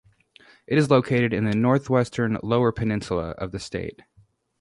It is located in the northwestern Lower Peninsula of the state.